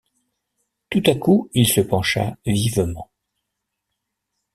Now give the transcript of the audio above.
Tout à coup il se pencha vivement.